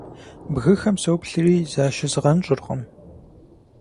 Бгыхэм соплъри защызгъэнщӀыркъым.